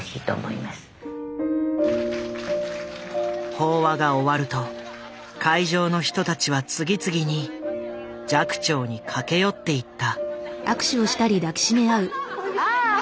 法話が終わると会場の人たちは次々に寂聴に駆け寄っていった。